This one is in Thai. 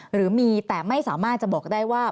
หรือมีแต่ไม่สามารถจะบอกได้ว่า